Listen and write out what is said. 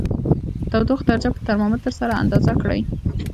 د تودوخې درجه په ترمامتر سره اندازه کړئ.